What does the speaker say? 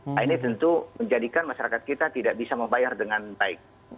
nah ini tentu menjadikan masyarakat kita tidak bisa membayar dengan baik